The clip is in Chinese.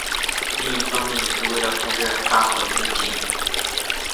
另一方面也是为了拍摄大草原的景。